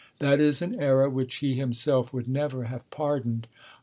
That is an error which he himself would never have pardoned.